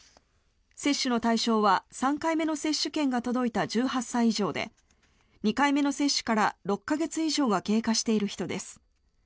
接種の対象は３回目の接種券が届いた１８歳以上で２回目の接種から６か月以上が経過している人です。